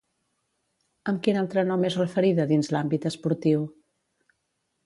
Amb quin altre nom és referida dins l'àmbit esportiu?